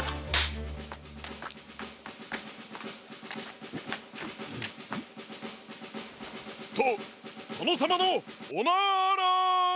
カチン！ととのさまのおなら！